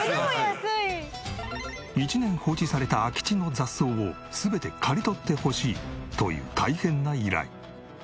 １年放置された空き地の雑草を全て刈り取ってほしいという大変な依頼。